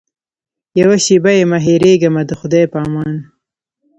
یوه شېبه یمه هېرېږمه د خدای په امان.